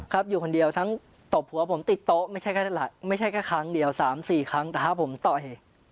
อยู่คนเดียวทั้งตบหัวผมติดโต๊ะไม่ใช่แค่ไม่ใช่แค่ครั้งเดียว๓๔ครั้งแต่ถ้าผมต่อย